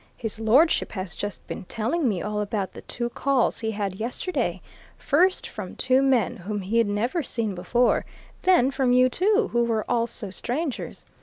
His lordship has just been telling me all about the two calls he had yesterday first from two men whom he'd never seen before then from you two, who were also strangers.